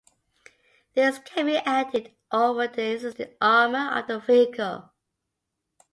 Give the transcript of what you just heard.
These can be added over the existing armour of the vehicle.